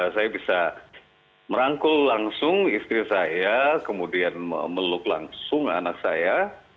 saya bisa merangkul langsung istri saya kemudian memeluk langsung anak saya